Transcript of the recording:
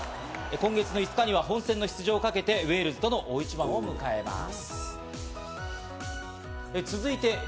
今月の５日には本戦の出場をかけてウェールズとの大一番を迎えます。